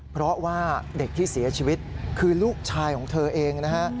เพราะว่าเด็กที่เสียชีวิตคือลูกชายของเธอเองนะฮะ